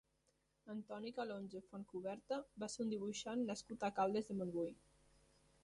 Antoni Calonge Fontcuberta va ser un dibuixant nascut a Caldes de Montbui.